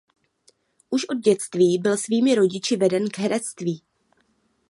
Už od dětství byl svými rodiči veden k herectví.